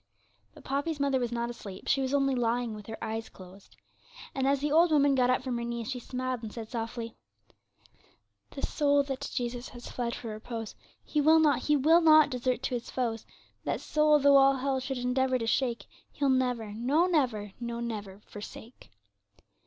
But Poppy's mother was not asleep, she was only lying with her eyes closed. And as the old woman got up from her knees she smiled, and said softly, 'The soul that to Jesus has fled for repose, He will not, He will not desert to its foes; That soul, though all hell should endeavour to shake, He'll never, no never, no never forsake.'